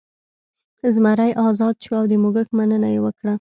زمری ازاد شو او د موږک مننه یې وکړه.